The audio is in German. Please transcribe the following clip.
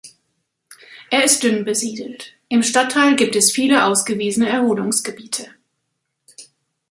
Er ist dünn besiedelt; im Stadtteil gibt es viele ausgewiesene Erholungsgebiete.